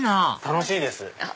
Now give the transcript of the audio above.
楽しいです。